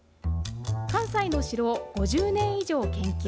関西の城を５０年以上、研究。